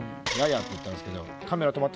って言ったんですけど。